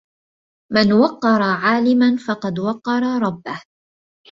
من وَقَّرَ عالِماً فقد وَقَّرَ ربّه.